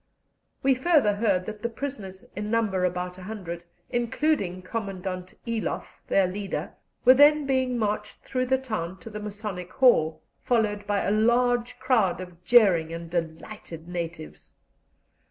We further heard that the prisoners, in number about a hundred, including Commandant Eloff, their leader, were then being marched through the town to the Masonic Hall, followed by a large crowd of jeering and delighted natives.